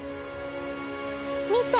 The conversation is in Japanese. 見て！